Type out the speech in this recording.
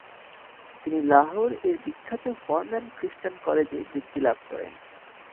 তিনি লাহোর এর বিখ্যাত ফরম্যান খৃস্টান কলেজে বৃত্তি লাভ করেন।